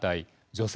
女性